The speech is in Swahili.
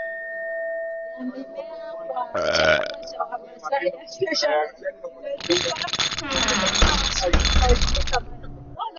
ya mimea kwa chakula cha Wamasai Acacia nilotica ni mmea wa supu unaotumika mara